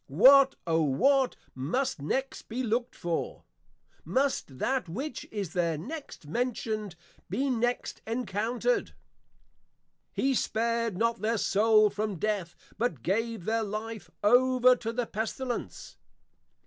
_ What, O what must next be looked for? Must that which is there next mentioned, be next encountered? _He spared not their soul from death, but gave their life over to the Pestilence.